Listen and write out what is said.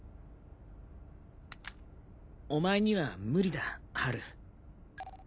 お前には無理だハル。